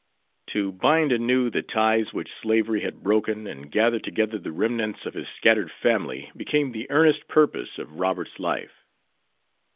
To bind anew the ties which slavery had broken and gather together the remnants of his scattered family became the earnest purpose of Robert's life.